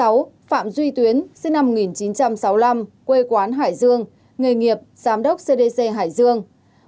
sáu phạm duy tuyến sinh năm một nghìn chín trăm sáu mươi năm quê quán hải dương nghề nghiệp giám đốc cdc hải dương